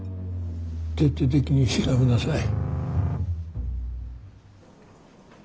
徹底的に調べなさい。